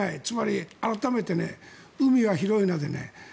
つまり改めて、海は広いなでね。